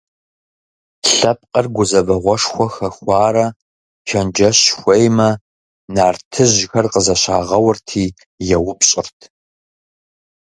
Лъэпкъыр гузэвэгъуэшхуэ хэхуарэ чэнджэщ хуеймэ, нартыжьхэр къызэщагъэурти еупщӀырт.